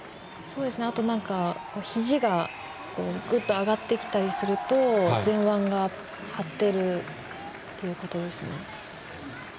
あと、ひじがグッと上がってきたりすると前腕が張っているということですね。